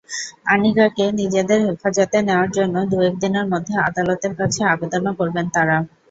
আনিকাকে নিজেদের হেফাজতে নেওয়ার জন্য দু-একদিনের মধ্যে আদালতের কাছে আবেদনও করবেন তাঁরা।